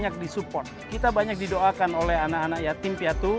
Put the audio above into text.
banyak disupport kita banyak didoakan oleh anak anak yatim piatu